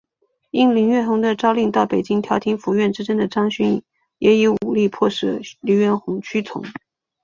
应黎元洪的召令到北京调停府院之争的张勋也以武力迫使黎元洪屈从。